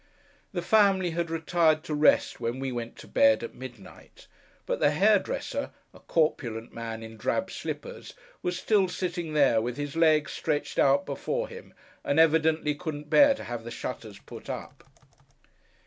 The family had retired to rest when we went to bed, at midnight; but the hairdresser (a corpulent man, in drab slippers) was still sitting there, with his legs stretched out before him, and evidently couldn't bear to have the shutters put up.